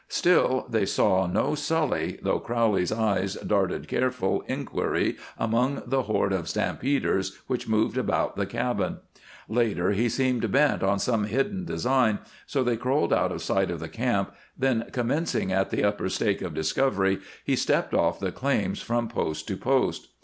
Still they saw no Sully, though Crowley's eyes darted careful inquiry among the horde of stampeders which moved about the cabin. Later, he seemed bent on some hidden design, so they crawled out of sight of the camp, then, commencing at the upper stake of Discovery, he stepped off the claims from post to post.